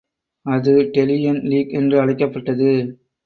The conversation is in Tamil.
அது டெலியன் லீக் என்று அழைக்கப்பட்டது.